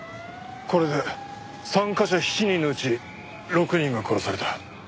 これで参加者７人のうち６人が殺された。